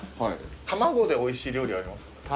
卵でおいしい料理ありますか？